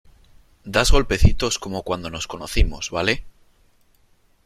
das golpecitos como cuando nos conocimos ,¿ vale ?